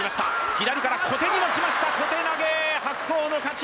左から小手に持ちました小手投げ白鵬の勝ち